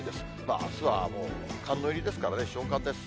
あすはもう寒の入りですからね、小寒です。